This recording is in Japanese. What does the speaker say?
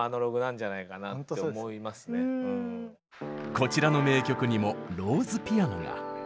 こちらの名曲にもローズ・ピアノが。